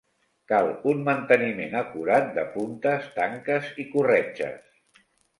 Cal un manteniment acurat de puntes, tanques i corretges.